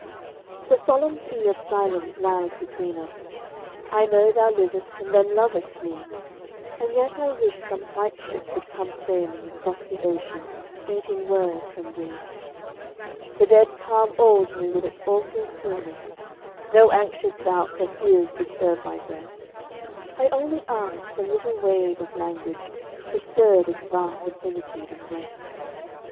The solemn Sea of Silence lies between us; I know thou livest, and them lovest me, And yet I wish some white ship would come sailing Across the ocean, beating word from thee. The dead calm awes me with its awful stillness. No anxious doubts or fears disturb my breast; I only ask some little wave of language, To stir this vast infinitude of rest.